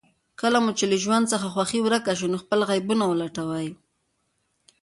کله چې مو له ژوند څخه خوښي ورکه شي، نو خپل عيبونه ولټوئ.